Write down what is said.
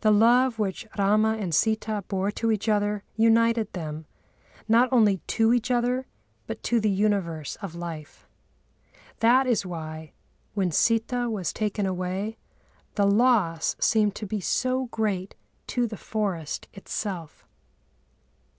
The love which Râma and Sitâ bore to each other united them, not only to each other, but to the universe of life. That is why, when Sitâ was taken away, the loss seemed to be so great to the forest itself.